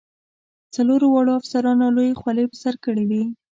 څلورو واړو افسرانو لویې خولۍ په سر کړې وې.